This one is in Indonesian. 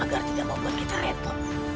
agar tidak membuat kita repot